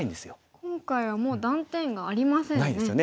今回はもう断点がありませんね。